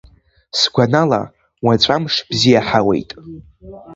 Сгәанала, уаҵәы амш бзиа ҳауеит.